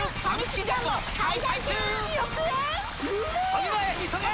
ファミマへ急げ！！